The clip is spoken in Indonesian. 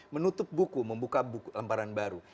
menutup buku membuka lemparan baru